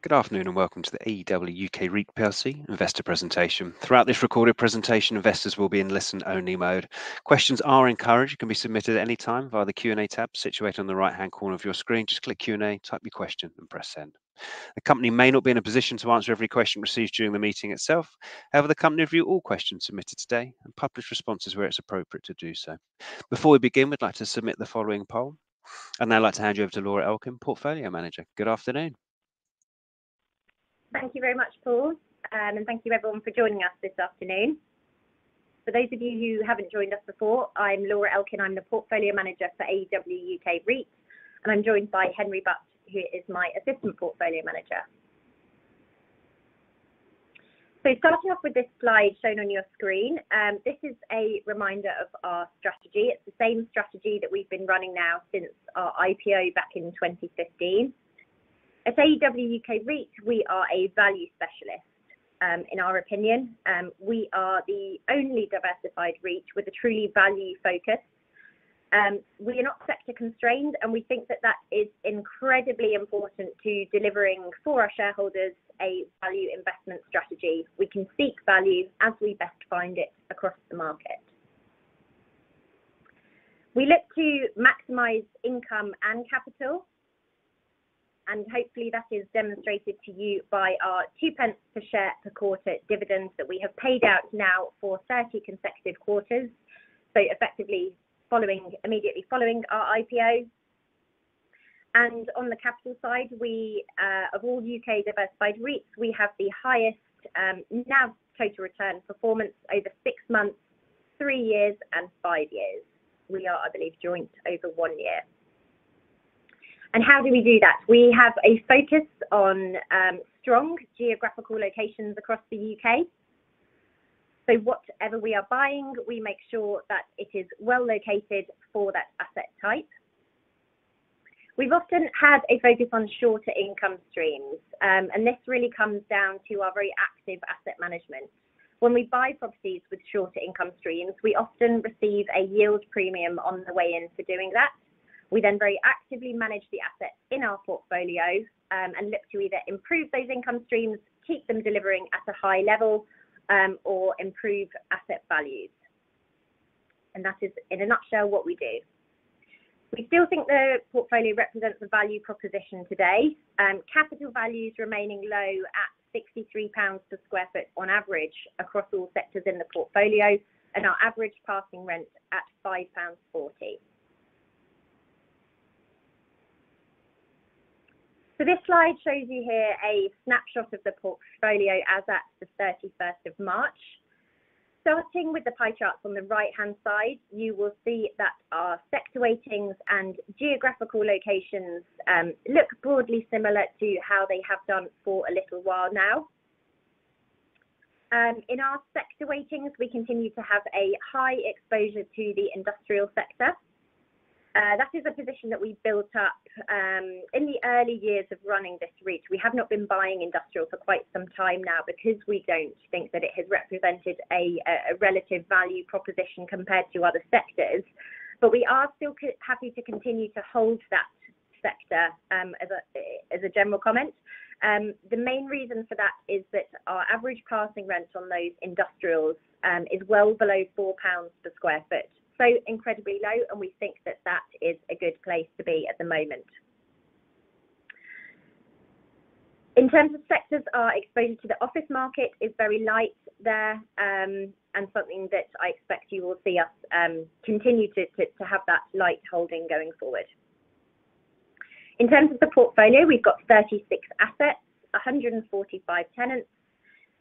Good afternoon. Welcome to the AEW UK REIT PLC investor presentation. Throughout this recorded presentation, investors will be in listen-only mode. Questions are encouraged and can be submitted at any time via the Q&A tab situated on the right-hand corner of your screen. Just click Q&A, type your question, and press send. The company may not be in a position to answer every question received during the meeting itself. However, the company review all questions submitted today and publish responses where it's appropriate to do so. Before we begin, we'd like to submit the following poll. I'd now like to hand you over to Laura Elkin, portfolio manager. Good afternoon. Thank you very much, Paul, and thank you everyone for joining us this afternoon. For those of you who haven't joined us before, I'm Laura Elkin. I'm the portfolio manager for AEW UK REIT, and I'm joined by Henry Butt, who is my assistant portfolio manager. Starting off with this slide shown on your screen, this is a reminder of our strategy. It's the same strategy that we've been running now since our IPO back in 2015. At AEW UK REIT, we are a value specialist, in our opinion. We are the only diversified REIT with a truly value focus. We are not sector constrained, and we think that that is incredibly important to delivering for our shareholders a value investment strategy. We can seek value as we best find it across the market. We look to maximize income and capital. Hopefully that is demonstrated to you by our two pence per share per quarter dividends that we have paid out now for 30 consecutive quarters, so effectively immediately following our IPO. On the capital side, we of all U.K. diversified REITs, we have the highest NAV total return performance over six months, three years and five years. We are, I believe, joint over one year. How do we do that? We have a focus on strong geographical locations across the U.K. Whatever we are buying, we make sure that it is well-located for that asset type. We've often had a focus on shorter income streams. This really comes down to our very active asset management. When we buy properties with shorter income streams, we often receive a yield premium on the way in for doing that. We then very actively manage the asset in our portfolio, and look to either improve those income streams, keep them delivering at a high level, or improve asset values. That is in a nutshell what we do. We still think the portfolio represents a value proposition today. Capital values remaining low at 63 pounds per sq ft on average across all sectors in the portfolio and our average passing rent at 5.40 pounds. This slide shows you here a snapshot of the portfolio as at the March 31st. Starting with the pie charts on the right-hand side, you will see that our sector weightings and geographical locations, look broadly similar to how they have done for a little while now. In our sector weightings, we continue to have a high exposure to the industrial sector. That is a position that we built up in the early years of running this REIT. We have not been buying industrial for quite some time now because we don't think that it has represented a relative value proposition compared to other sectors. We are still happy to continue to hold that sector as a general comment. The main reason for that is that our average passing rents on those industrials is well below 4 pounds per sq ft, so incredibly low, and we think that that is a good place to be at the moment. In terms of sectors, our exposure to the office market is very light there, and something that I expect you will see us continue to have that light holding going forward. In terms of the portfolio, we've got 36 assets, 145 tenants.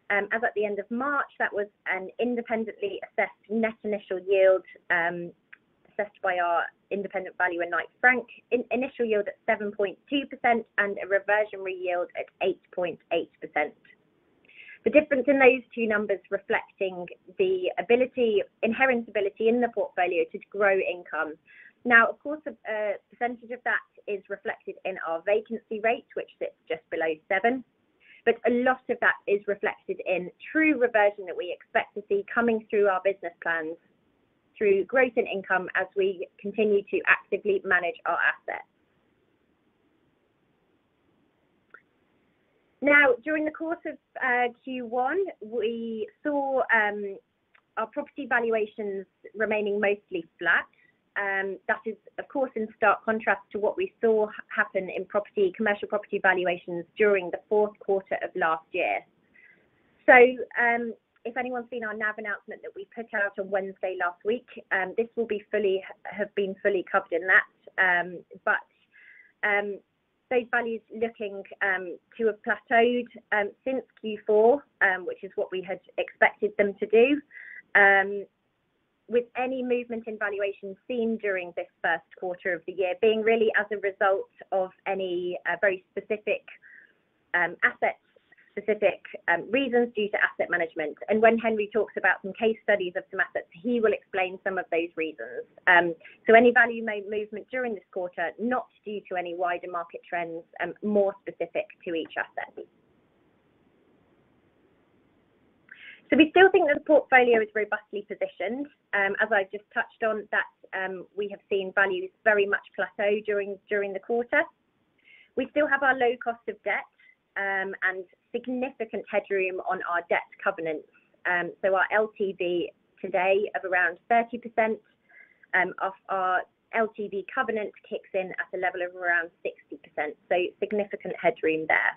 As at the end of March, that was an independently assessed net initial yield, assessed by our independent valuer Knight Frank. Initial yield at 7.2% and a reversionary yield at 8.8%. The difference in those two numbers reflecting the inherent ability in the portfolio to grow income. Of course, a percentage of that is reflected in our vacancy rate, which sits just below 7%. A lot of that is reflected in true reversion that we expect to see coming through our business plans through growth in income as we continue to actively manage our assets. During the course of Q1, we saw our property valuations remaining mostly flat. That is of course in stark contrast to what we saw happen in commercial property valuations during the fourth quarter of last year. If anyone's seen our NAV announcement that we put out on Wednesday last week, this will have been fully covered in that. Those values looking to have plateaued since Q4, which is what we had expected them to do, with any movement in valuations seen during this first quarter of the year being really as a result of any very specific assets, specific reasons due to asset management. When Henry talks about some case studies of some assets, he will explain some of those reasons. Any value movement during this quarter, not due to any wider market trends, more specific to each asset. We still think the portfolio is robustly positioned. As I've just touched on, that we have seen values very much plateau during the quarter. We still have our low cost of debt and significant headroom on our debt covenants. Our LTV today of around 30%, of our LTV covenant kicks in at a level of around 60%. Significant headroom there.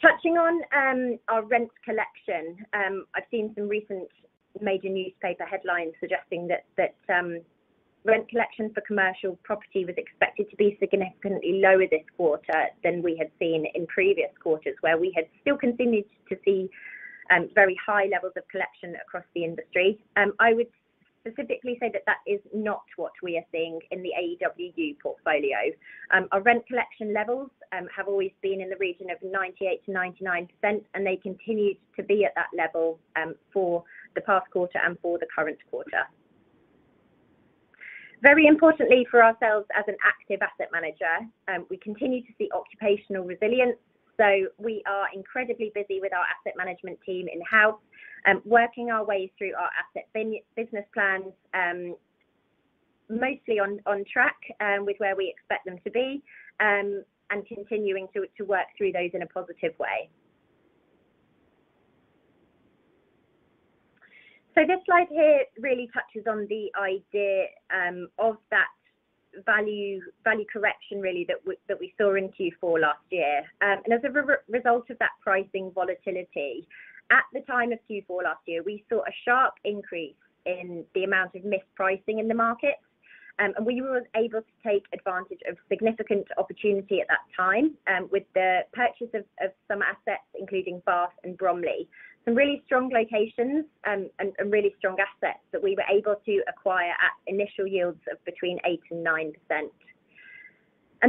Touching on our rents collection, I've seen some recent major newspaper headlines suggesting that rent collection for commercial property was expected to be significantly lower this quarter than we had seen in previous quarters where we had still continued to see very high levels of collection across the industry. I would specifically say that that is not what we are seeing in the AEWU portfolio. Our rent collection levels have always been in the region of 98%-99%, and they continued to be at that level for the past quarter and for the current quarter. Very importantly for ourselves as an active asset manager, we continue to see occupational resilience. We are incredibly busy with our asset management team in-house, working our way through our asset business plans, mostly on track with where we expect them to be, and continuing to work through those in a positive way. This slide here really touches on the idea of that value correction really that we saw in Q4 last year. As a result of that pricing volatility, at the time of Q4 last year, we saw a sharp increase in the amount of mispricing in the markets. We were able to take advantage of significant opportunity at that time with the purchase of some assets, including Bath and Bromley. Some really strong locations, and really strong assets that we were able to acquire at initial yields of between 8% and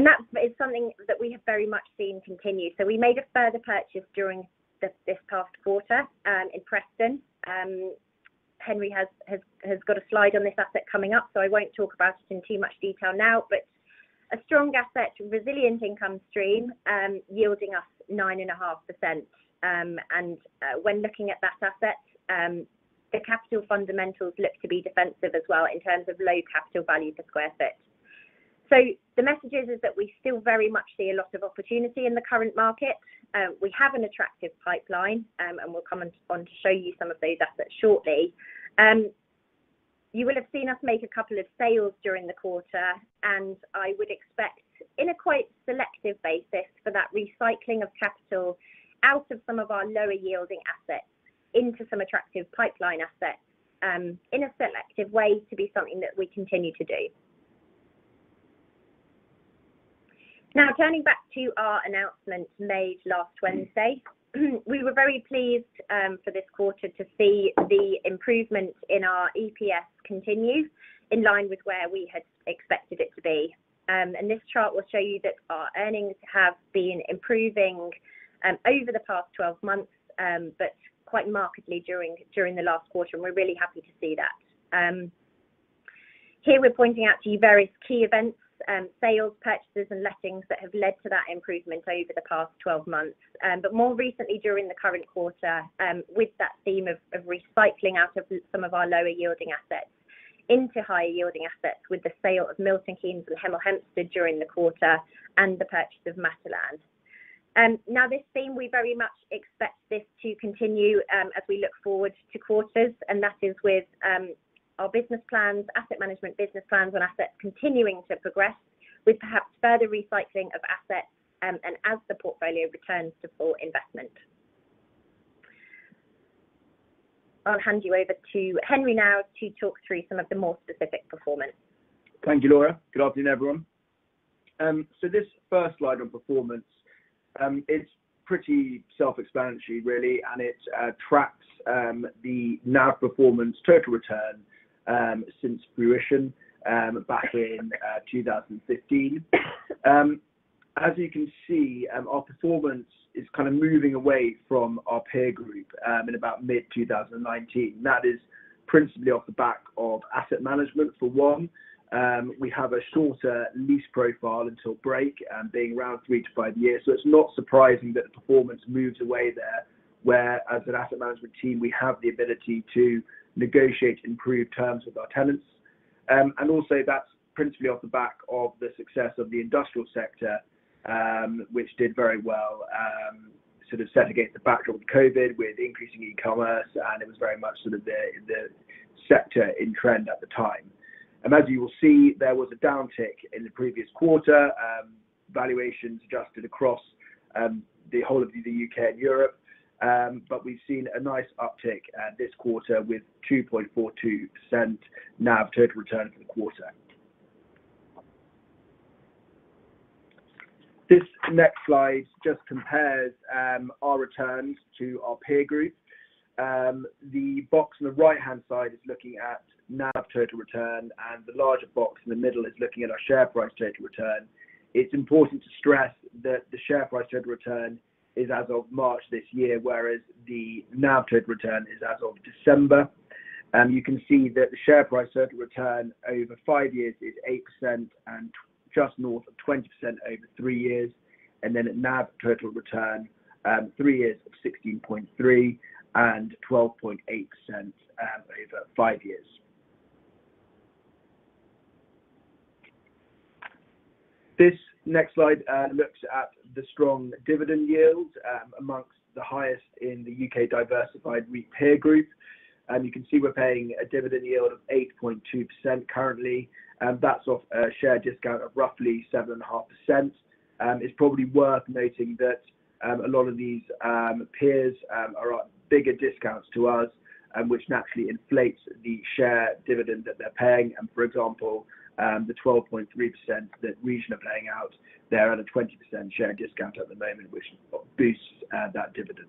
9%. That is something that we have very much seen continue. We made a further purchase during this past quarter, in Preston. Henry has got a slide on this asset coming up, so I won't talk about it in too much detail now. A strong asset, resilient income stream, yielding us 9.5%. And when looking at that asset, the capital fundamentals look to be defensive as well in terms of low capital value per sq ft. The message is that we still very much see a lot of opportunity in the current market. We have an attractive pipeline, and we'll come on to show you some of those assets shortly. You will have seen us make a couple of sales during the quarter, and I would expect in a quite selective basis for that recycling of capital out of some of our lower yielding assets into some attractive pipeline assets, in a selective way to be something that we continue to do. Turning back to our announcement made last Wednesday, we were very pleased for this quarter to see the improvements in our EPS continue in line with where we had expected it to be. This chart will show you that our earnings have been improving over the past 12 months, but quite markedly during the last quarter, and we're really happy to see that. Here we're pointing out to you various key events, sales, purchases, and lettings that have led to that improvement over the past 12 months. More recently during the current quarter, with that theme of recycling out of some of our lower yielding assets into higher yielding assets with the sale of Milton Keynes and Hemel Hempstead during the quarter and the purchase of Matalan. This theme, we very much expect this to continue, as we look forward to quarters, and that is with our business plans, asset management business plans and assets continuing to progress with perhaps further recycling of assets, and as the portfolio returns to full investment. I'll hand you over to Henry now to talk through some of the more specific performance. Thank you, Laura. Good afternoon, everyone. This first slide on performance is pretty self-explanatory really, and it tracks the NAV performance total return since fruition back in 2015. You can see, our performance is kind of moving away from our peer group in about mid-2019. That is principally off the back of asset management. For one, we have a shorter lease profile until break, being around 3 to 5 years. It's not surprising that the performance moves away there, where as an asset management team, we have the ability to negotiate improved terms with our tenants. Also that's principally off the back of the success of the industrial sector, which did very well, sort of set against the backdrop of COVID with increasing e-commerce, and it was very much sort of the sector in trend at the time. As you will see, there was a downtick in the previous quarter. Valuations adjusted across the whole of the UK and Europe. We've seen a nice uptick this quarter with 2.42% NAV total return for the quarter. This next slide just compares our returns to our peer group. The box on the right-hand side is looking at NAV total return, the larger box in the middle is looking at our share price total return. It's important to stress that the share price total return is as of March this year, whereas the NAV total return is as of December. You can see that the share price total return over five years is 8% and just north of 20% over three years. At NAV total return, three years of 16.3 and 12.8% over five years. This next slide looks at the strong dividend yield amongst the highest in the U.K. diversified REIT peer group. You can see we're paying a dividend yield of 8.2% currently, that's off a share discount of roughly 7.5%. It's probably worth noting that a lot of these peers are on bigger discounts to us, which naturally inflates the share dividend that they're paying. For example, the 12.3% that Region are paying out, they're at a 20% share discount at the moment, which boosts that dividend.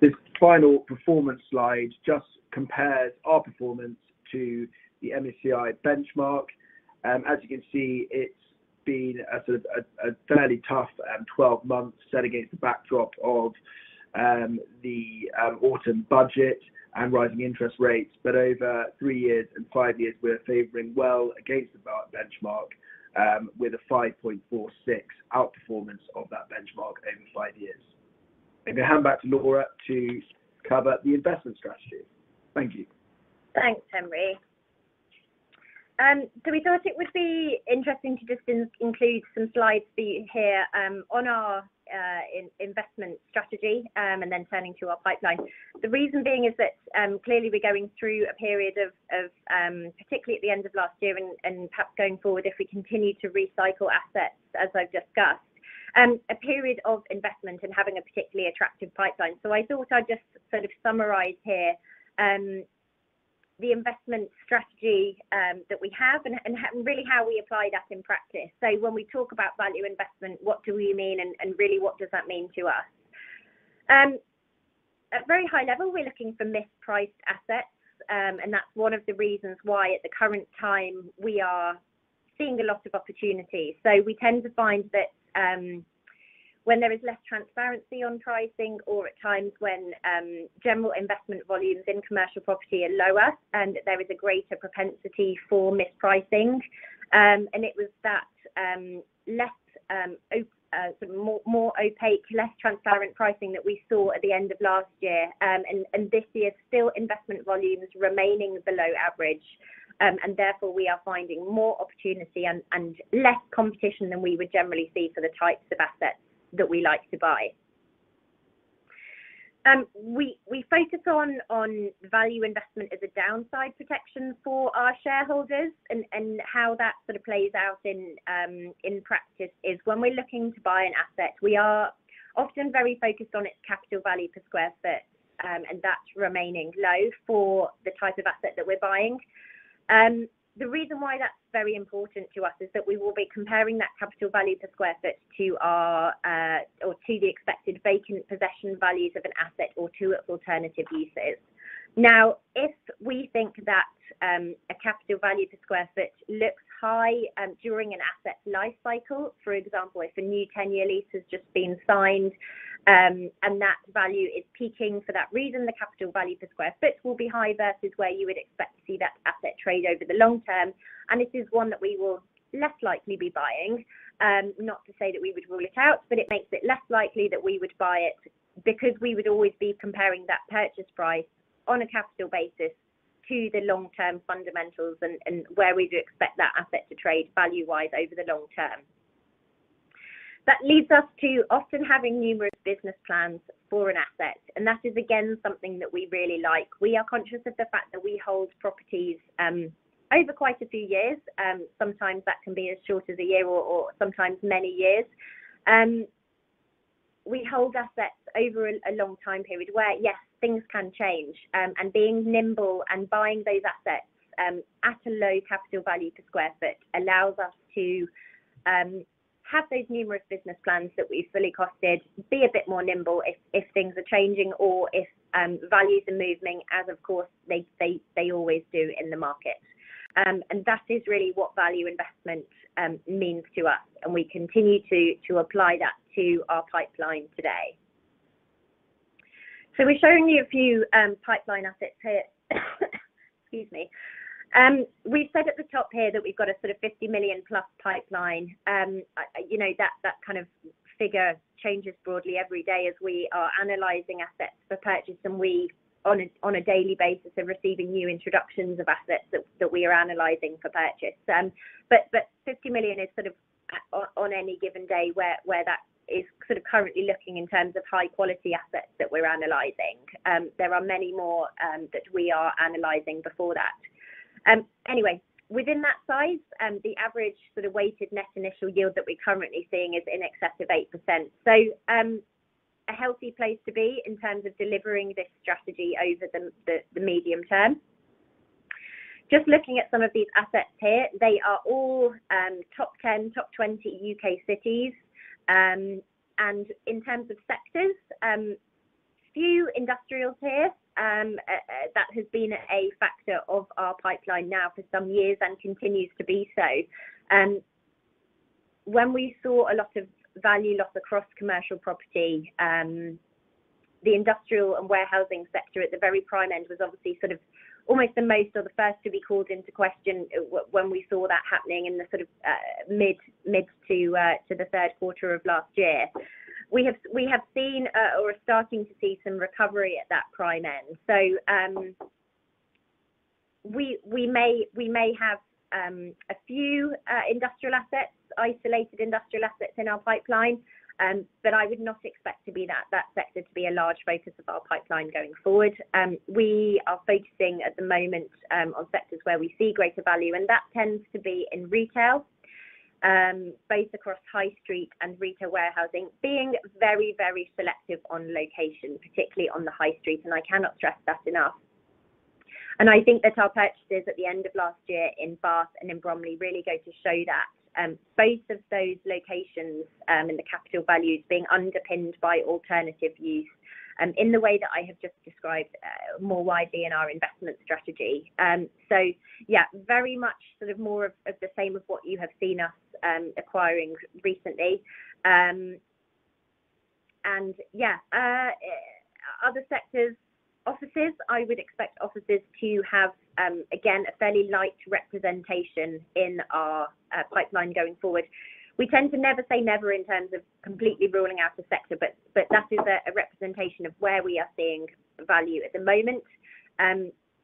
This final performance slide just compares our performance to the MSCI benchmark. As you can see, it's been a sort of a fairly tough 12 months set against the backdrop of the autumn budget and rising interest rates. Over 3 years and 5 years, we're favoring well against the benchmark, with a 5.46% outperformance of that benchmark over 5 years. I'm gonna hand back to Laura to cover the investment strategy. Thank you. Thanks, Henry. We thought it would be interesting to just include some slides here, on our investment strategy, and then turning to our pipeline. The reason being is that, clearly we're going through a period of, particularly at the end of last year and perhaps going forward if we continue to recycle assets as I've discussed, a period of investment and having a particularly attractive pipeline. I thought I'd just sort of summarize here, the investment strategy, that we have and really how we apply that in practice. When we talk about value investment, what do we mean and really what does that mean to us? At very high level, we are looking for mispriced assets. That's one of the reasons why at the current time we are seeing a lot of opportunity. We tend to find that when there is less transparency on pricing or at times when general investment volumes in commercial property are lower and there is a greater propensity for mispricing. It was that less sort of more, more opaque, less transparent pricing that we saw at the end of last year. This year still investment volumes remaining below average. Therefore we are finding more opportunity and less competition than we would generally see for the types of assets that we like to buy. We focus on value investment as a downside protection for our shareholders. How that sort of plays out in practice is when we're looking to buy an asset, we are often very focused on its capital value per square foot. That's remaining low for the type of asset that we're buying. The reason why that's very important to us is that we will be comparing that capital value per square foot to our or to the expected vacant possession values of an asset or to its alternative uses. If we think that a capital value per square foot looks high during an asset's life cycle, for example, if a new 10-year lease has just been signed, and that value is peaking for that reason, the capital value per square foot will be high versus where you would expect to see that asset trade over the long term. This is one that we will less likely be buying. Not to say that we would rule it out, but it makes it less likely that we would buy it because we would always be comparing that purchase price on a capital basis to the long-term fundamentals and where we do expect that asset to trade value-wise over the long term. That leads us to often having numerous business plans for an asset. That is again, something that we really like. We are conscious of the fact that we hold properties over quite a few years. Sometimes that can be as short as a year or sometimes many years. We hold assets over a long time period where, yes, things can change. Being nimble and buying those assets at a low capital value per square foot allows us to have those numerous business plans that we've fully costed, be a bit more nimble if things are changing or if values are moving as of course they always do in the market. That is really what value investment means to us, and we continue to apply that to our pipeline today. We've shown you a few pipeline assets here. Excuse me. We've said at the top here that we've got a sort of 50 million plus pipeline. You know, that kind of figure changes broadly every day as we are analyzing assets for purchase and we on a daily basis are receiving new introductions of assets that we are analyzing for purchase. Fifty million is sort of on any given day where that is sort of currently looking in terms of high quality assets that we're analyzing. There are many more that we are analyzing before that. Within that size, the average sort of weighted net initial yield that we are currently seeing is in excess of 8%. A healthy place to be in terms of delivering this strategy over the medium term. Just looking at some of these assets here, they are all, top 10, top 20 UK cities. In terms of sectors, few industrials here, that has been a factor of our pipeline now for some years and continues to be so. When we saw a lot of value loss across commercial property, the industrial and warehousing sector at the very prime end was obviously sort of almost the most or the first to be called into question when we saw that happening in the sort of mid to the third quarter of last year. We have seen or are starting to see some recovery at that prime end. We may have a few industrial assets, isolated industrial assets in our pipeline, but I would not expect to be that sector to be a large focus of our pipeline going forward. We are focusing at the moment on sectors where we see greater value, and that tends to be in retail, both across high street and retail warehousing, being very, very selective on location, particularly on the high street, and I cannot stress that enough. I think that our purchases at the end of last year in Bath and in Bromley really go to show that, both of those locations, in the capital values being underpinned by alternative use, in the way that I have just described, more widely in our investment strategy. Yeah, very much sort of more of the same of what you have seen us acquiring recently. Yeah. Other sectors, offices, I would expect offices to have, again, a fairly light representation in our pipeline going forward. We tend to never say never in terms of completely ruling out a sector, but that is a representation of where we are seeing value at the moment.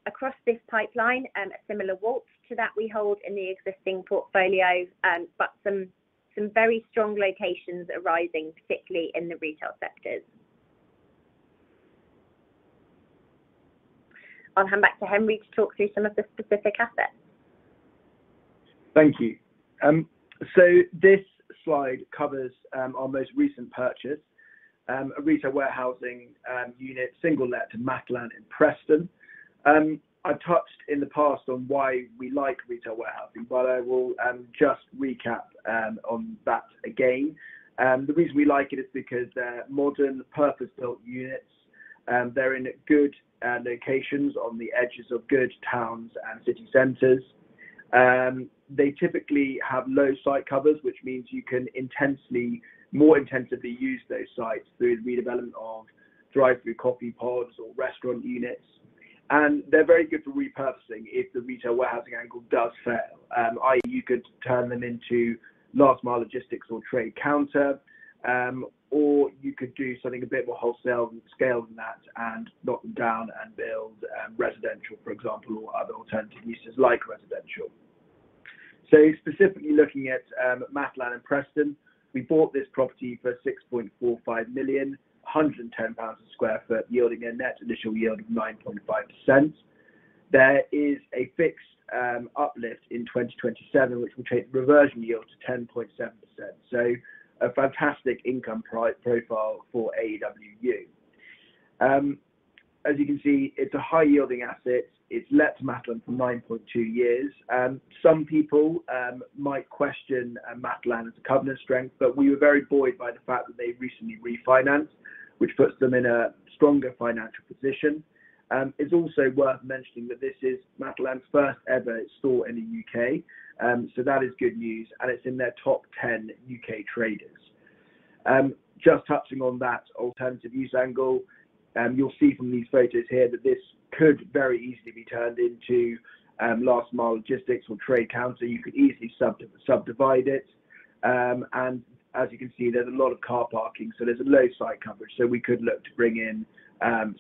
Across this pipeline, similar WAULT to that we hold in the existing portfolio, but some very strong locations arising, particularly in the retail sectors. I'll hand back to Henry to talk through some of the specific assets. Thank you. This slide covers our most recent purchase, a retail warehousing unit single let to Matalan in Preston. I've touched in the past on why we like retail warehousing, but I will just recap on that again. The reason we like it is because they're modern purpose-built units. They're in good locations on the edges of good towns and city centers. They typically have low site covers, which means you can more intensively use those sites through the redevelopment of drive-through coffee pods or restaurant units. They're very good for repurposing if the retail warehousing angle does fail. I.e., you could turn them into last mile logistics or trade counter, or you could do something a bit more wholesale scale than that and knock them down and build residential, for example, or other alternative uses like residential. Specifically looking at Matalan in Preston, we bought this property for 6.45 million, 110 pounds a sq ft, yielding a net initial yield of 9.5%. There is a fixed uplift in 2027, which will take the reversionary yield to 10.7%. A fantastic income profile for AEWU. As you can see, it's a high-yielding asset. It's let to Matalan for 9.2 years. Some people might question Matalan as a covenant strength. We were very buoyed by the fact that they recently refinanced, which puts them in a stronger financial position. It's also worth mentioning that this is Matalan's first ever store in the U.K. That is good news, and it's in their top 10 U.K. traders. Just touching on that alternative use angle, you'll see from these photos here that this could very easily be turned into last mile logistics or trade counter. You could easily sub-subdivide it. As you can see, there's a lot of car parking, so there's a low site coverage. We could look to bring in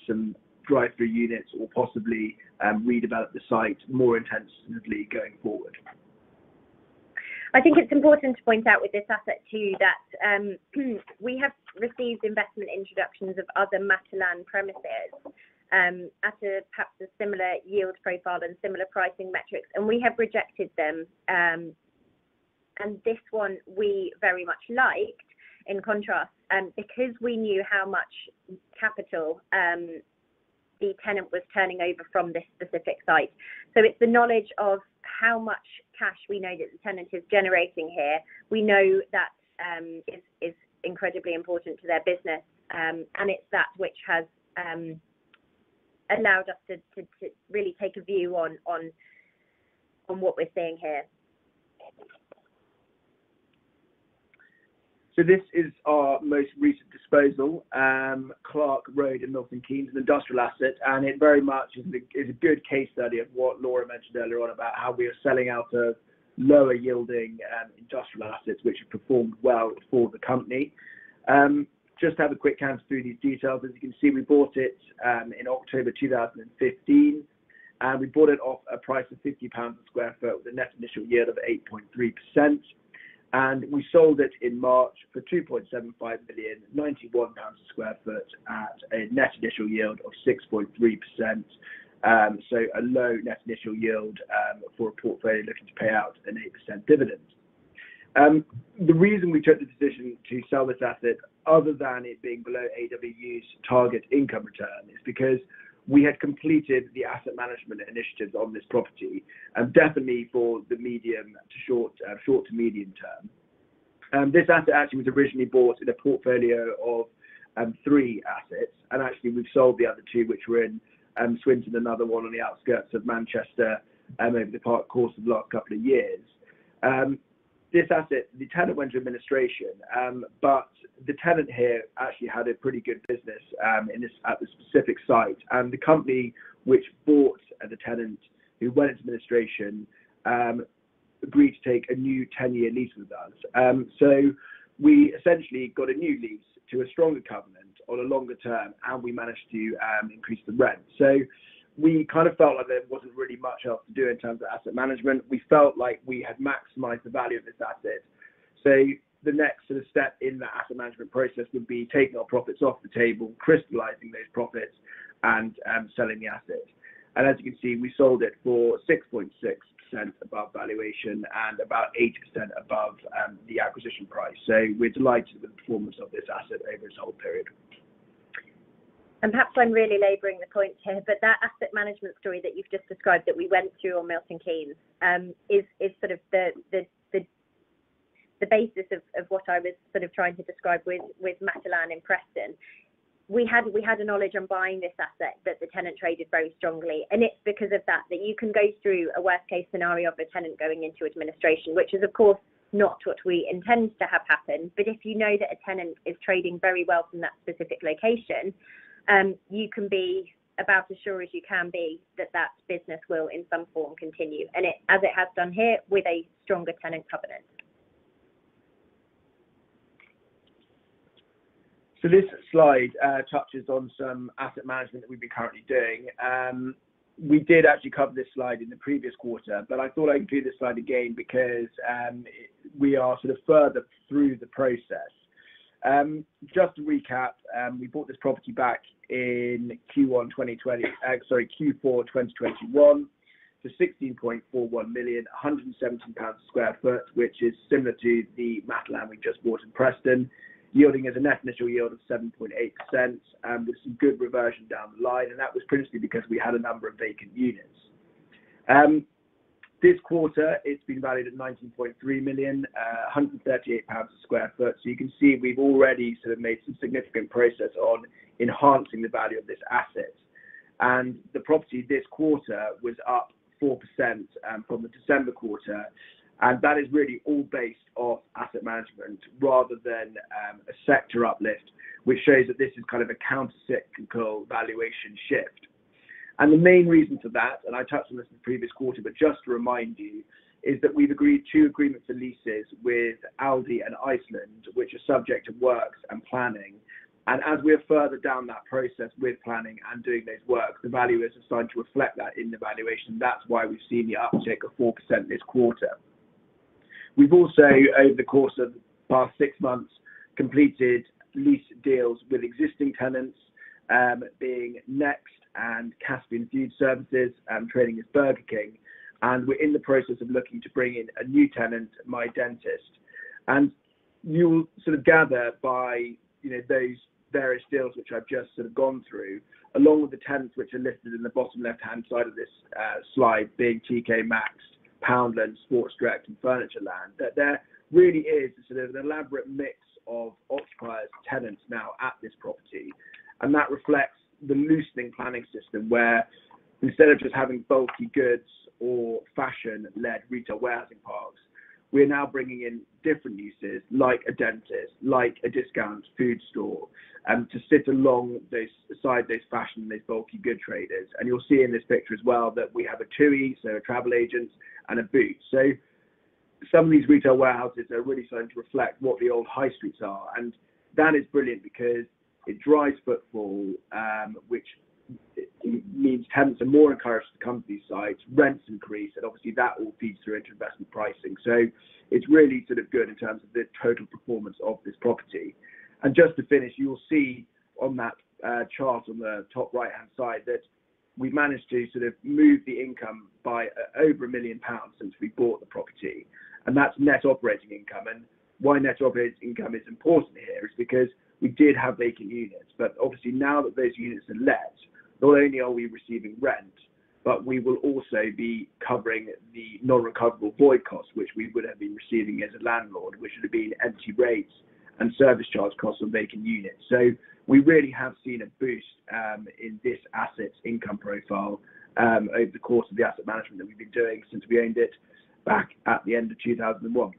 some drive-through units or possibly redevelop the site more intensively going forward. I think it's important to point out with this asset too that, we have received investment introductions of other Matalan premises, at a perhaps a similar yield profile and similar pricing metrics, and we have rejected them. This one we very much liked in contrast, because we knew how much capital the tenant was turning over from this specific site. It's the knowledge of how much cash we know that the tenant is generating here. We know that is incredibly important to their business. It's that which has allowed us to really take a view on what we're seeing here. This is our most recent disposal, Clark Road in Milton Keynes, an industrial asset, and it very much is a good case study of what Laura mentioned earlier on about how we are selling out of lower yielding industrial assets which have performed well for the company. Just to have a quick canter through these details. As you can see, we bought it in October 2015, and we bought it off a price of 50 pounds a sq ft with a net initial yield of 8.3%. We sold it in March for 2.75 million, 91 pounds a sq ft at a net initial yield of 6.3%. A low net initial yield for a portfolio looking to pay out an 8% dividend. The reason we took the decision to sell this asset other than it being below AEWU's target income return is because we had completed the asset management initiatives on this property, definitely for the medium to short to medium term. This asset actually was originally bought in a portfolio of three assets. Actually we've sold the other two which were in Swindon, another one on the outskirts of Manchester, over the course of the last couple of years. This asset, the tenant went into administration, but the tenant here actually had a pretty good business at this specific site. The company which bought the tenant who went into administration, agreed to take a new ten-year lease with us. We essentially got a new lease to a stronger covenant on a longer term, and we managed to increase the rent. We kind of felt like there wasn't really much else to do in terms of asset management. We felt like we had maximized the value of this asset. The next sort of step in that asset management process would be taking our profits off the table, crystallizing those profits, and selling the asset. As you can see, we sold it for 6.6% above valuation and about 8% above the acquisition price. We're delighted with the performance of this asset over its hold period. Perhaps I'm really laboring the point here, but that asset management story that you've just described, that we went through on Milton Keynes, is sort of the basis of what I was sort of trying to describe with Matalan in Preston. We had a knowledge on buying this asset that the tenant traded very strongly, and it's because of that you can go through a worst case scenario of a tenant going into administration, which is of course not what we intend to have happen. If you know that a tenant is trading very well from that specific location, you can be about as sure as you can be that that business will in some form continue as it has done here with a stronger tenant covenant. This slide touches on some asset management that we've been currently doing. We did actually cover this slide in the previous quarter, but I thought I'd do this slide again because we are sort of further through the process. Just to recap, we bought this property back in, sorry, Q4 2021 for 16.41 million, 117 pounds a sq ft, which is similar to the Matalan we just bought in Preston. Yielding us a net initial yield of 7.8% with some good reversion down the line. That was principally because we had a number of vacant units. This quarter it's been valued at 19.3 million, 138 pounds a sq ft. You can see we've already sort of made some significant progress on enhancing the value of this asset. The property this quarter was up 4% from the December quarter. That is really all based off asset management rather than a sector uplift, which shows that this is kind of a countercyclical valuation shift. The main reason for that, and I touched on this in the previous quarter, but just to remind you, is that we've agreed 2 agreements for leases with Aldi and Iceland, which are subject to works and planning. As we're further down that process with planning and doing those works, the value is starting to reflect that in the valuation. That's why we've seen the uptick of 4% this quarter. We've also, over the course of the past six months, completed lease deals with existing tenants, being Next and Caspian Food Services, trading as Burger King. We're in the process of looking to bring in a new tenant, mydentist. You'll sort of gather by, you know, those various deals which I've just sort of gone through, along with the tenants which are listed in the bottom left-hand side of this slide, being TK Maxx, Poundland, Sports Direct and Furnitureland. That there really is sort of an elaborate mix of occupiers, tenants now at this property. That reflects the loosening planning system where instead of just having bulky goods or fashion-led retail warehousing parks, we're now bringing in different uses, like a dentist, like a discount food store, to sit beside these fashion and these bulky good traders. You'll see in this picture as well that we have a TUI, so a travel agent, and a Boots. Some of these retail warehouses are really starting to reflect what the old high streets are. That is brilliant because it drives footfall, which means tenants are more encouraged to come to these sites. Rents increase, and obviously that all feeds through into investment pricing. It's really sort of good in terms of the total performance of this property. Just to finish, you will see on that chart on the top right-hand side, that we managed to sort of move the income by over 1 million pounds since we bought the property, and that's net operating income. Why net operating income is important here is because we did have vacant units. Obviously now that those units are let, not only are we receiving rent, but we will also be covering the non-recoverable void costs, which we would have been receiving as a landlord, which would have been empty rates and service charge costs on vacant units. We really have seen a boost in this asset's income profile over the course of the asset management that we've been doing since we owned it back at the end of 2001.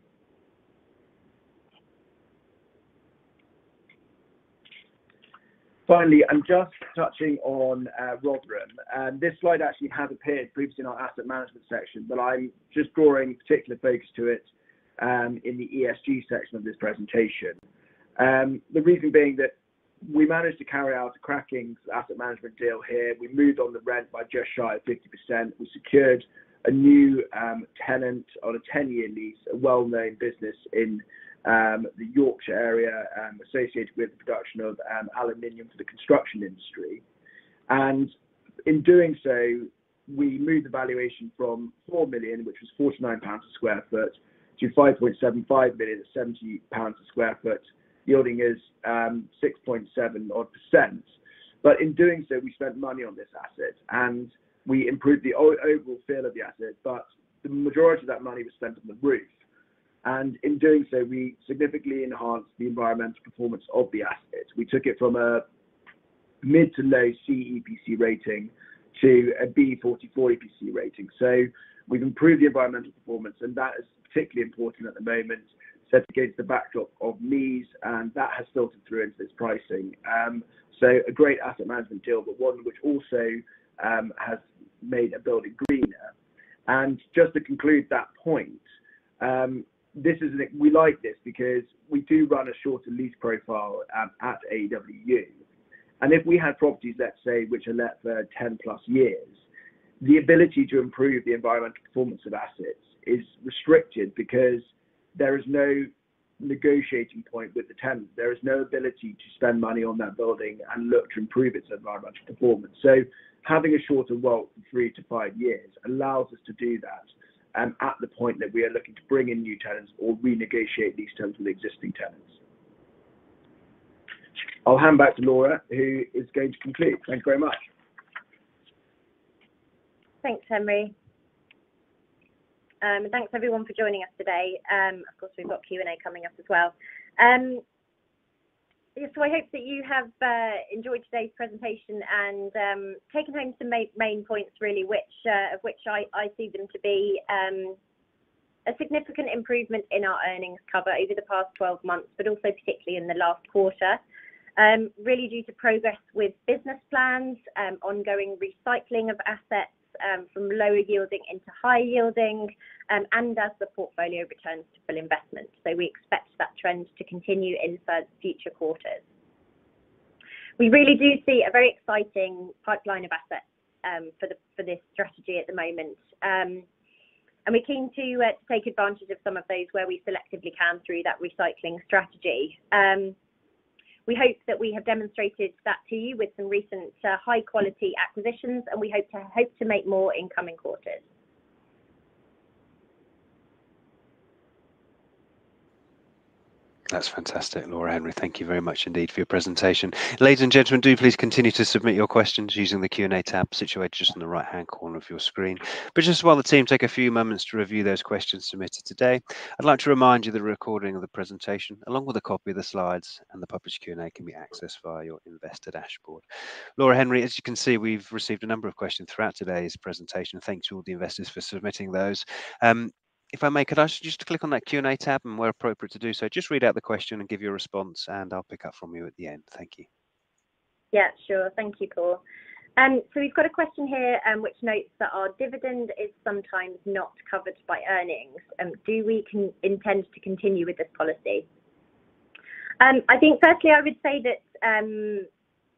Finally, I'm just touching on Rotherham. This slide actually has appeared previously in our asset management section, but I'm just drawing particular focus to it in the ESG section of this presentation. The reason being that we managed to carry out a cracking asset management deal here. We moved on the rent by just shy of 50%. We secured a new tenant on a 10-year lease, a well-known business in the Yorkshire area, associated with the production of aluminum for the construction industry. In doing so, we moved the valuation from 4 million, which was 49 pounds a square foot, to 5.75 million at 70 pounds a square foot, yielding us 6.7% odd. In doing so, we spent money on this asset and we improved the overall feel of the asset, but the majority of that money was spent on the roof. In doing so, we significantly enhanced the environmental performance of the asset. We took it from a mid to low C EPC rating to a B 44 EPC rating. We've improved the environmental performance, that is particularly important at the moment set against the backdrop of MEES, and that has filtered through into its pricing. A great asset management deal, but one which also has made a building greener. Just to conclude that point, we like this because we do run a shorter lease profile at AWU. If we had properties, let's say, which are let for 10 plus years, the ability to improve the environmental performance of assets is restricted because there is no negotiating point with the tenant. There is no ability to spend money on that building and look to improve its environmental performance. Having a shorter WAULT from three-five years allows us to do that, at the point that we are looking to bring in new tenants or renegotiate these terms with existing tenants. I'll hand back to Laura, who is going to conclude. Thank you very much. Thanks, Henry. Thanks everyone for joining us today. Of course, we've got Q&A coming up as well. I hope that you have enjoyed today's presentation and taken home some main points really, which of which I see them to be a significant improvement in our earnings cover over the past 12 months, but also particularly in the last quarter, really due to progress with business plans, ongoing recycling of assets, from lower yielding into high yielding, and as the portfolio returns to full investment. We expect that trend to continue in future quarters. We really do see a very exciting pipeline of assets, for the, for this strategy at the moment. We're keen to take advantage of some of those where we selectively can through that recycling strategy. We hope that we have demonstrated that to you with some recent, high-quality acquisitions, and we hope to make more in coming quarters. That's fantastic, Laura, Henry. Thank you very much indeed for your presentation. Ladies and gentlemen, do please continue to submit your questions using the Q&A tab situated just in the right-hand corner of your screen. Just while the team take a few moments to review those questions submitted today, I'd like to remind you the recording of the presentation, along with a copy of the slides and the published Q&A, can be accessed via your investor dashboard. Laura, Henry, as you can see, we've received a number of questions throughout today's presentation. Thanks to all the investors for submitting those. If I may, could I just click on that Q&A tab, and where appropriate to do so, just read out the question and give your response, and I'll pick up from you at the end. Thank you. Yeah, sure. Thank you, Paul. We've got a question here, which notes that our dividend is sometimes not covered by earnings. Do we intend to continue with this policy? I think firstly, I would say that,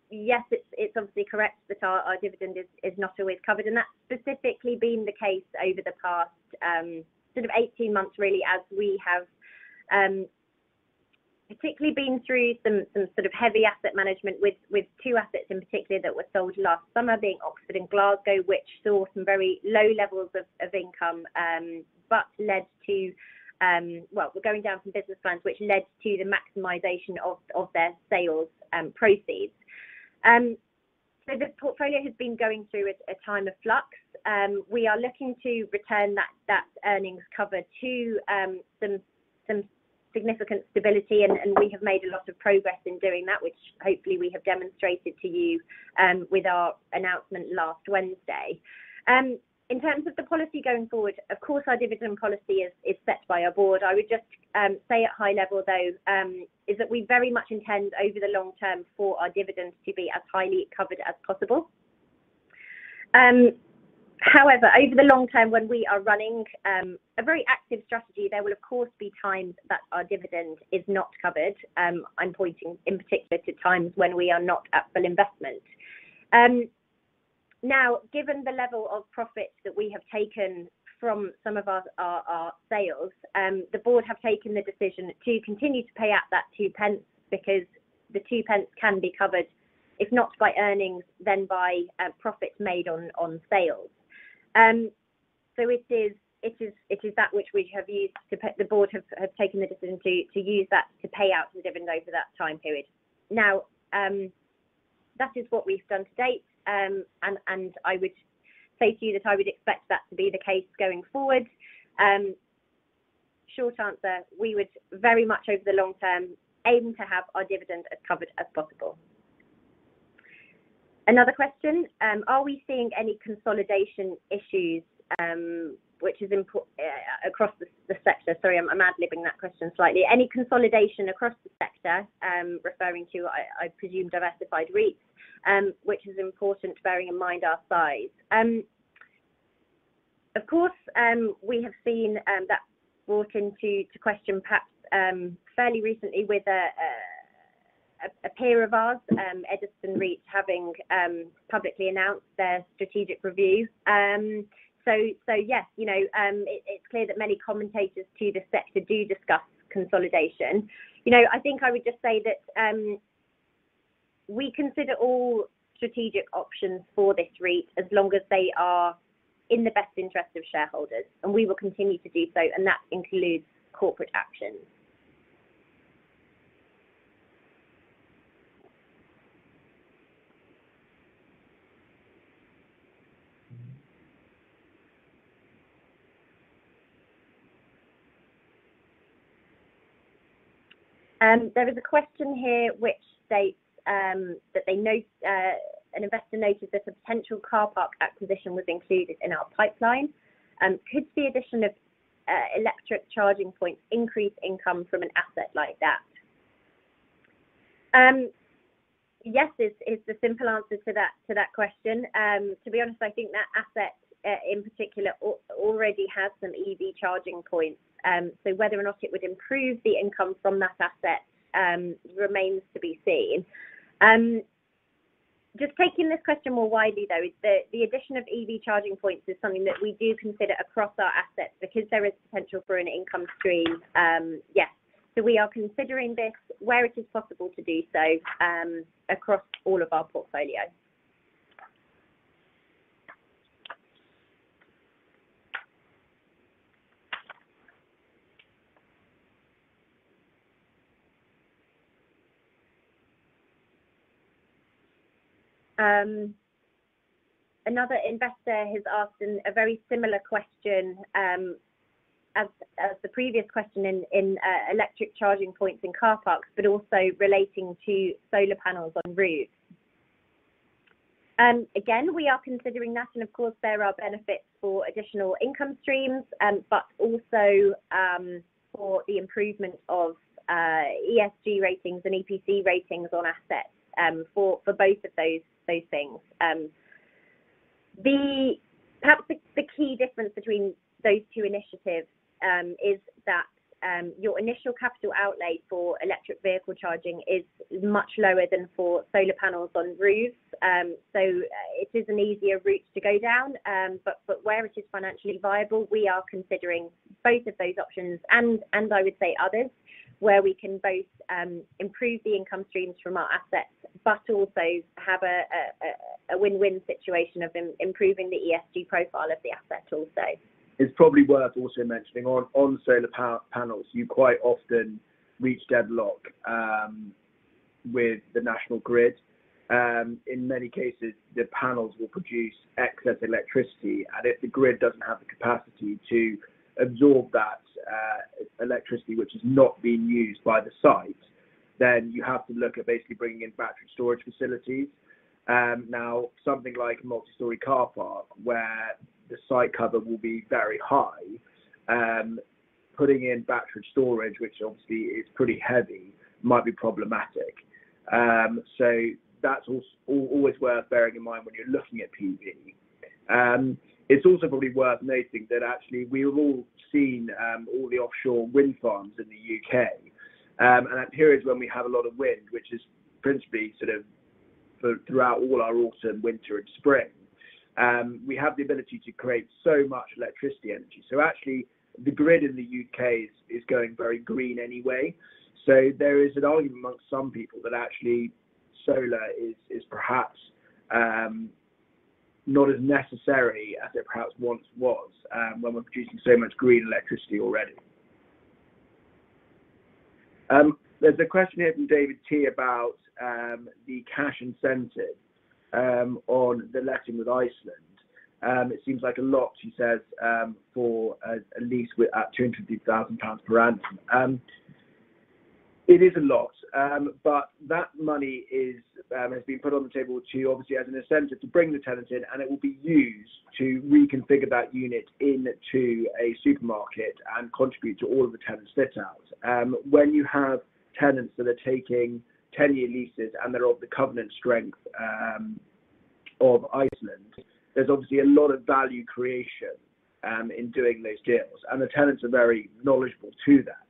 yes, it's obviously correct that our dividend is not always covered, and that's specifically been the case over the past, sort of 18 months, really, as we have, particularly been through some sort of heavy asset management with two assets in particular that were sold last summer being Oxford and Glasgow, which saw some very low levels of income, but led to, well, going down some business plans which led to the maximization of their sales, proceeds. The portfolio has been going through a time of flux. We are looking to return that earnings cover to some significant stability, and we have made a lot of progress in doing that, which hopefully we have demonstrated to you with our announcement last Wednesday. In terms of the policy going forward, of course, our dividend policy is set by our board. I would just say at high level, though, is that we very much intend over the long term for our dividends to be as highly covered as possible. However, over the long term, when we are running a very active strategy, there will of course, be times that our dividend is not covered. I'm pointing in particular to times when we are not at full investment. Now, given the level of profits that we have taken from some of our sales, the board have taken the decision to continue to pay out that 2 pence because the 2 pence can be covered, if not by earnings, then by profits made on sales. It is that. The board have taken the decision to use that to pay out the dividend over that time period. Now, that is what we've done to date. I would say to you that I would expect that to be the case going forward. Short answer, we would very much over the long term aim to have our dividend as covered as possible. Another question, are we seeing any consolidation issues, which is across the sector? Sorry, I'm ad-libbing that question slightly. Any consolidation across the sector, referring to, I presume, diversified REITs, which is important bearing in mind our size. Of course, we have seen that brought into question perhaps fairly recently with a peer of ours, Ediston REIT having publicly announced their strategic review. Yes, you know, it's clear that many commentators to the sector do discuss consolidation. You know, I think I would just say that we consider all strategic options for this REIT as long as they are in the best interest of shareholders, and we will continue to do so, and that includes corporate actions. There is a question here which states that they note an investor noted that a potential car park acquisition was included in our pipeline. Could the addition of electric charging points increase income from an asset like that? Yes is the simple answer to that question. To be honest, I think that asset in particular already has some EV charging points. Whether or not it would improve the income from that asset, remains to be seen. Just taking this question more widely though is the addition of EV charging points is something that we do consider across our assets because there is potential for an income stream. Yes. We are considering this where it is possible to do so across all of our portfolio. Another investor has asked a very similar question as the previous question in electric charging points in car parks, also relating to solar panels on roofs. Again, we are considering that. Of course there are benefits for additional income streams, but also for the improvement of ESG ratings and EPC ratings on assets for both of those things. Perhaps the key difference between those two initiatives is that your initial capital outlay for electric vehicle charging is much lower than for solar panels on roofs. It is an easier route to go down. But where it is financially viable, we are considering both of those options and I would say others where we can both improve the income streams from our assets, but also have a win-win situation of improving the ESG profile of the asset also. It's probably worth also mentioning on solar power panels, you quite often reach deadlock with the National Grid. In many cases the panels will produce excess electricity and if the grid doesn't have the capacity to absorb that electricity which is not being used by the site, then you have to look at basically bringing in battery storage facilities. Now something like multi-story car park where the site coverage will be very high, putting in battery storage, which obviously is pretty heavy, might be problematic. That's always worth bearing in mind when you're looking at PV. It's also probably worth noting that actually we've all seen all the offshore wind farms in the U.K. At periods when we have a lot of wind, which is principally throughout all our autumn, winter and spring, we have the ability to create so much electricity energy. Actually the grid in the UK is going very green anyway. There is an argument amongst some people that actually solar is perhaps not as necessary as it perhaps once was when we're producing so much green electricity already. There's a question here from David T about the cash incentive on the letting with Iceland. It seems like a lot he says for a lease with at 250,000 pounds per annum. It is a lot, but that money is has been put on the table to obviously as an incentive to bring the tenants in and it will be used to reconfigure that unit into a supermarket and contribute to all of the tenant's fit out. When you have tenants that are taking 10-year leases and they're of the covenant strength of Iceland, there's obviously a lot of value creation in doing those deals and the tenants are very knowledgeable to that.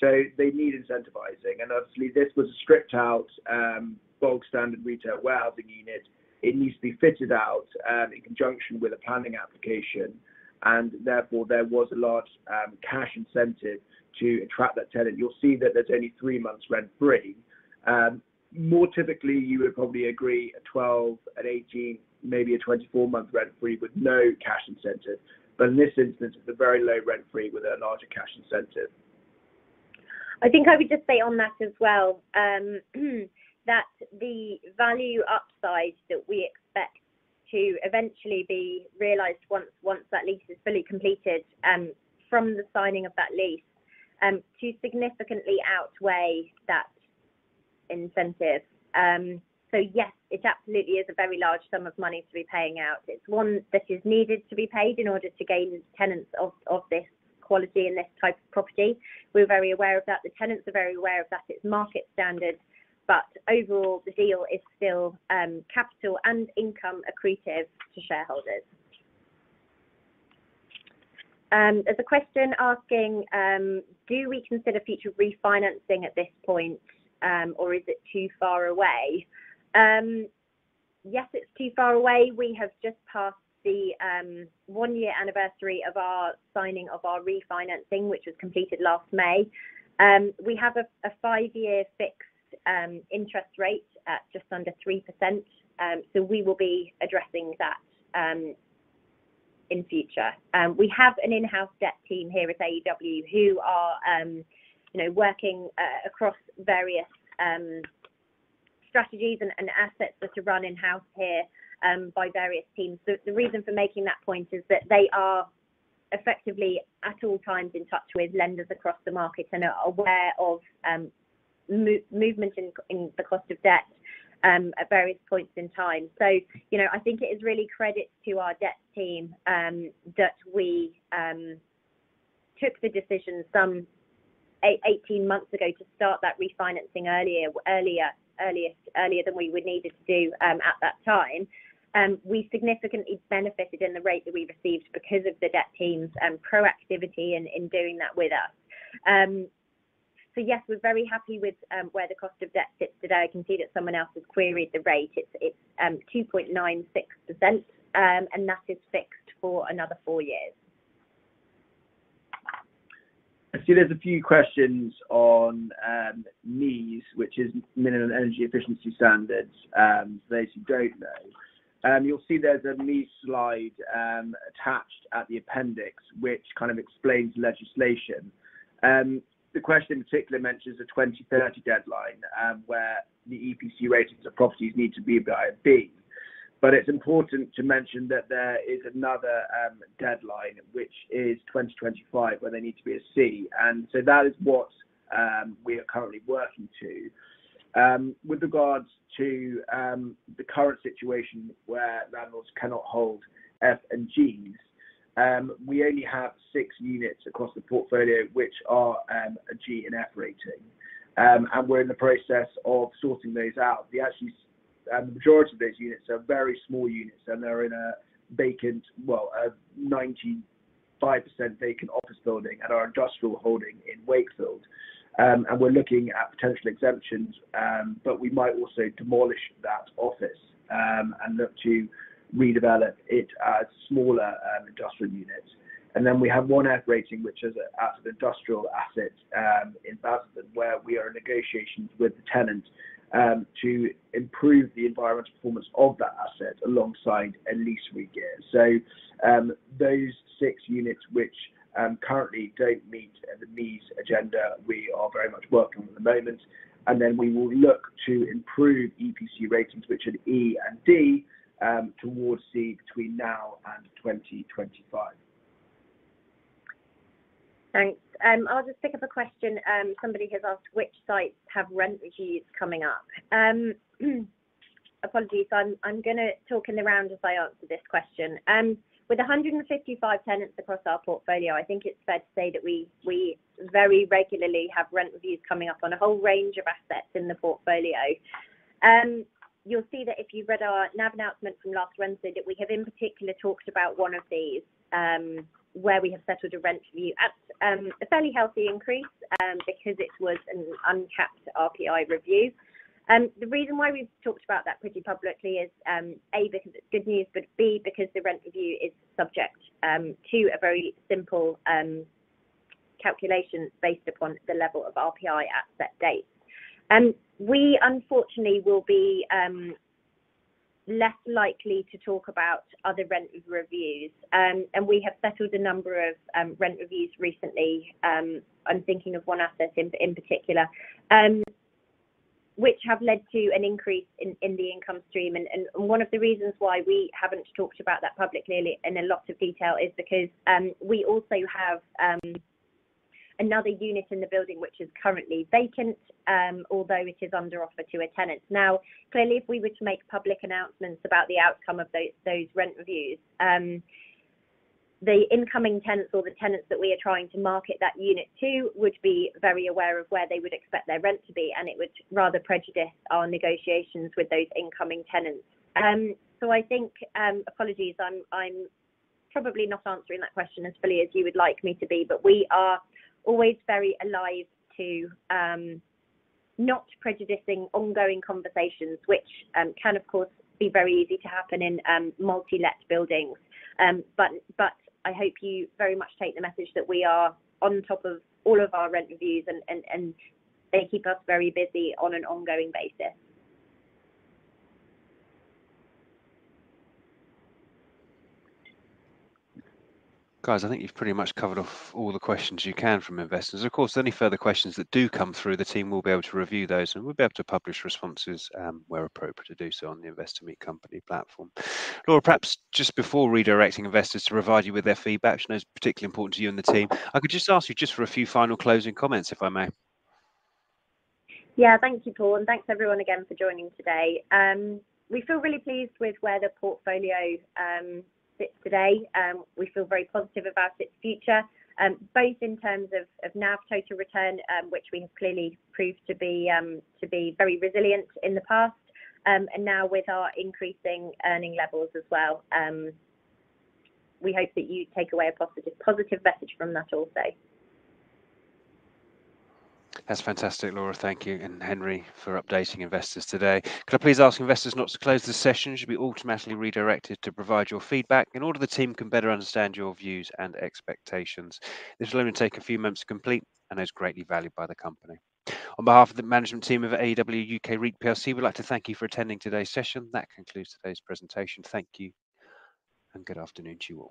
They need incentivizing and obviously this was a stripped out bog standard retail warehousing unit. It needs to be fitted out in conjunction with a planning application and therefore there was a large cash incentive to attract that tenant. You'll see that there's only three months rent free. More typically you would probably agree a 12, an 18, maybe a 24 month rent free with no cash incentive. In this instance it's a very low rent free with a larger cash incentive. I think I would just say on that as well, that the value upside that we expect to eventually be realized once that lease is fully completed, from the signing of that lease, to significantly outweigh that incentive. Yes, it absolutely is a very large sum of money to be paying out. It's one that is needed to be paid in order to gain tenants of this quality and this type of property. We're very aware of that. The tenants are very aware of that. It's market standard, but overall the deal is still capital and income accretive to shareholders. There's a question asking, do we consider future refinancing at this point, or is it too far away? Yes, it's too far away. We have just passed the one year anniversary of our signing of our refinancing, which was completed last May. We have a five-year fixed interest rate at just under 3%. We will be addressing that in future. We have an in-house debt team here at AEW who are, you know, working across various strategies and assets that are run in-house here by various teams. The reason for making that point is that they are effectively at all times in touch with lenders across the market and are aware of movement in the cost of debt at various points in time. You know, I think it is really credit to our debt team, that we took the decision some 18 months ago to start that refinancing earlier than we would needed to do, at that time. We significantly benefited in the rate that we received because of the debt team's proactivity in doing that with us. Yes, we're very happy with where the cost of debt sits today. I can see that someone else has queried the rate. It's 2.96%, and that is fixed for another 4 years. I see there's a few questions on MEES, which is Minimum Energy Efficiency Standards, for those who don't know. You'll see there's a MEES slide attached at the appendix, which kind of explains legislation. The question in particular mentions the 2030 deadline, where the EPC ratings of properties need to be by a B. It's important to mention that there is another deadline which is 2025, where they need to be a C. That is what we are currently working to. With regards to the current situation where landlords cannot hold F and Gs, we only have 6 units across the portfolio which are a G and F rating. We're in the process of sorting those out. The majority of those units are very small units, and they're in a vacant, well, a 95% vacant office building at our industrial holding in Wakefield. We're looking at potential exemptions, but we might also demolish that office and look to redevelop it as smaller industrial units. We have 1 F rating, which is at an industrial asset in Basildon, where we are in negotiations with the tenant to improve the environmental performance of that asset alongside a lease regear. Those six units which currently don't meet the MEES agenda, we are very much working with at the moment, and then we will look to improve EPC ratings which are E and D towards C between now and 2025. Thanks. I'll just pick up a question, somebody has asked which sites have rent reviews coming up. Apologies. I'm gonna talk in the round as I answer this question. With 155 tenants across our portfolio, I think it's fair to say that we very regularly have rent reviews coming up on a whole range of assets in the portfolio. You'll see that if you read our NAV announcement from last Wednesday, that we have in particular talked about one of these, where we have settled a rent review at a fairly healthy increase, because it was an uncapped RPI review. The reason why we've talked about that pretty publicly is A, because it's good news, but B, because the rent review is subject to a very simple calculation based upon the level of RPI at set date. We unfortunately will be less likely to talk about other rent reviews. We have settled a number of rent reviews recently, I'm thinking of one asset in particular, which have led to an increase in the income stream. One of the reasons why we haven't talked about that publicly and in lots of detail is because we also have another unit in the building which is currently vacant, although it is under offer to a tenant. Clearly, if we were to make public announcements about the outcome of those rent reviews, the incoming tenants or the tenants that we are trying to market that unit to would be very aware of where they would expect their rent to be, and it would rather prejudice our negotiations with those incoming tenants. I think apologies, I'm probably not answering that question as fully as you would like me to be. We are always very alive to not prejudicing ongoing conversations, which can of course, be very easy to happen in multi-let buildings. I hope you very much take the message that we are on top of all of our rent reviews and they keep us very busy on an ongoing basis. Guys, I think you've pretty much covered off all the questions you can from investors. Of course, any further questions that do come through, the team will be able to review those, and we'll be able to publish responses, where appropriate to do so on the Investor Meet Company platform. Laura, perhaps just before redirecting investors to provide you with their feedback, which I know is particularly important to you and the team, I could just ask you just for a few final closing comments, if I may. Yeah. Thank you, Paul, and thanks everyone again for joining today. We feel really pleased with where the portfolio sits today. We feel very positive about its future, both in terms of NAV total return, which we have clearly proved to be very resilient in the past. Now with our increasing earning levels as well, we hope that you take away a positive message from that also. That's fantastic, Laura. Thank you and Henry for updating investors today. Could I please ask investors not to close this session? You should be automatically redirected to provide your feedback in order the team can better understand your views and expectations. This will only take a few moments to complete and is greatly valued by the company. On behalf of the management team of AEW UK REIT PLC, we'd like to thank you for attending today's session. That concludes today's presentation. Thank you and good afternoon to you all.